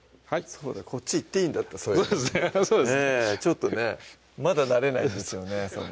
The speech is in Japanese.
そうだこっち行っていいんだったそういえばちょっとねまだ慣れないんですよね